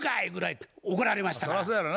ゆうぐらい怒られましたから。